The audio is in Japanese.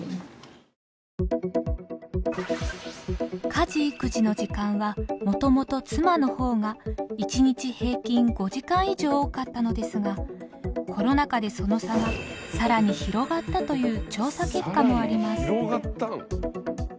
家事育児の時間はもともと妻の方が一日平均５時間以上多かったのですがコロナ禍でその差が更に広がったという調査結果もあります。